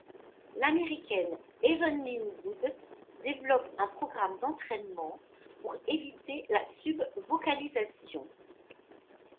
L'Américaine Evenlyn Wood développe un programme d'entraînement pour éviter la subvocalisation.